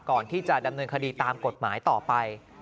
ก่อนที่จะดำเนินคดีตามกฎหมายต่อไป